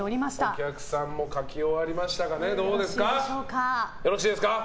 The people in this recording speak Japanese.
お客さんも書き終わりましたかね。